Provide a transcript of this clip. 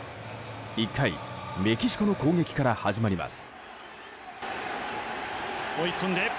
１回、メキシコの攻撃から始まります。